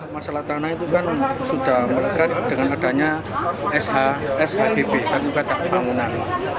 masalah tanah itu kan sudah melengkak dengan adanya shgb satu kata panggungan